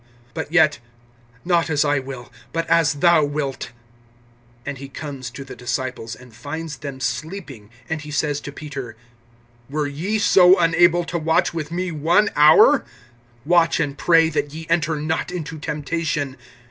But yet, not as I will, but as thou wilt. (40)And he comes to the disciples, and finds them sleeping; and he says to Peter: Were ye so unable to watch with me one hour? (41)Watch and pray, that ye enter not into temptation.